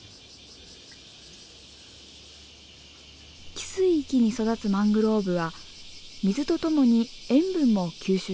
汽水域に育つマングローブは水と共に塩分も吸収しています。